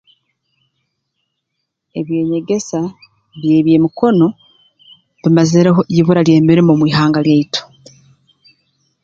Eby'enyegesa by'eby'emikono bimazireho ibura ly'eby'emirimo mu ihanga lyaitu